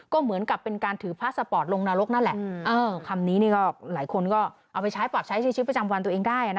ก็เหมือนกับเป็นการถือพาสปอร์ตลงนรกนั่นแหละเออคำนี้นี่ก็หลายคนก็เอาไปใช้ปรับใช้ใช้ชีวิตประจำวันตัวเองได้นะ